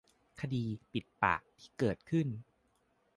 คดี ปิดปาก ที่เกิดขึ้น